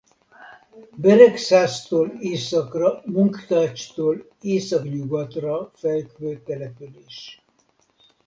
Beregszásztól északra Munkácstól északnyugatra fekvő település.